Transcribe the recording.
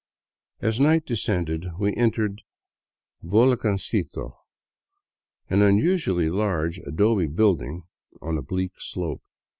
As night descended, we entered " Volcancito," an unusually large adobe building on a bleak slope.